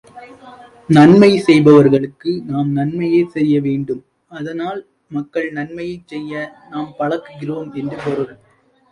நன்மை செய்பவர்களுக்கு நாம் நன்மையே செய்ய வேண்டும் அதனால், மக்கள் நன்மையைச் செய்ய நாம் பழக்குகிறோம் என்று பொருள்.